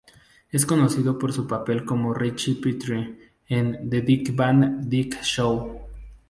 Es conocido por su papel como Richie Petrie en ¨The Dick Van Dyke Show¨.